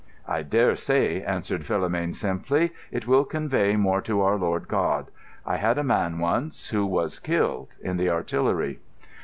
"I dare say," answered Philomène simply, "it will convey more to our Lord God. I had a man once—who was killed—in the Artillery."